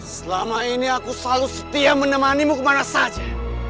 selama ini aku selalu setia menemanimu kemana saja